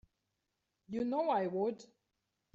You know I would.